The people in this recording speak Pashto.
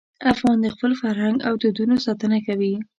افغان د خپل فرهنګ او دودونو ساتنه کوي.